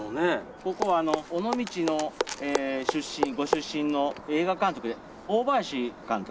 ここは尾道のご出身の映画監督で大林監督。